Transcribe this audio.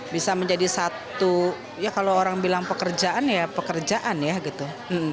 bisa menjadi satu ya kalau orang bilang pekerjaan ya pekerjaan ya gitu